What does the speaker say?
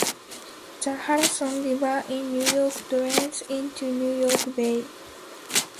The Hudson River in New York drains into New York Bay.